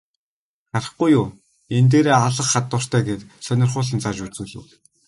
Харахгүй юу, энэ дээрээ алх бас хадууртай гээд сонирхуулан зааж үзүүлэв.